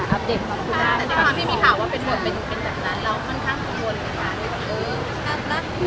แล้วค่อนข้างกังวลค่ะคือนั่นล่ะ